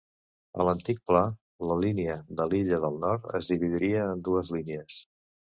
A l'antic pla, la línia de l'illa del Nord es dividiria en dues línies.